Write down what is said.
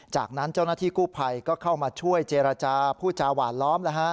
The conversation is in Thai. จากนั้นเจ้าหน้าที่กู้ภัยก็เข้ามาช่วยเจรจาพูดจาหวานล้อม